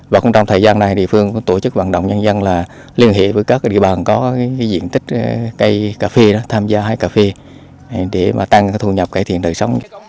và cũng trong thời gian này địa phương cũng tổ chức vận động nhân dân là liên hệ với các địa bàn có diện tích cây cà phê đó tham gia hái cà phê để mà tăng thu nhập cải thiện đời sống